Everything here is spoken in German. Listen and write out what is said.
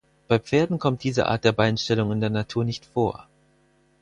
Bei Pferden kommt diese Art der Beinstellung in der Natur nicht vor.